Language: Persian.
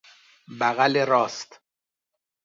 بغل راست